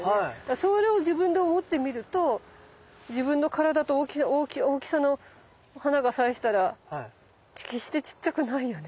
それを自分で思ってみると自分の体の大きさの花が咲いてたら決してちっちゃくないよね。